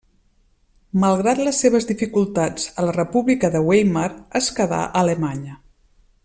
Malgrat les seves dificultats a la República de Weimar, es quedà a Alemanya.